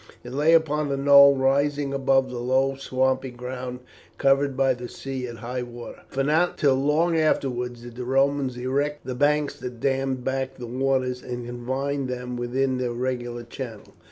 It lay upon a knoll rising above the low swampy ground covered by the sea at high water, for not till long afterwards did the Romans erect the banks that dammed back the waters and confined them within their regular channel.